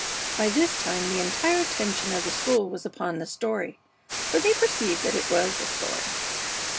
By this time the entire attention of the school was upon the story, for they perceived that it was a story.